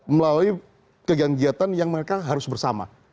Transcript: melalui kegiatan kegiatan yang mereka harus bersama